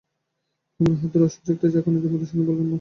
কুমুর হাত ধরে অসহ্য একটা ঝাঁকানি দিয়ে মধুসূদন বললে, মাপ চাইতেও জান না?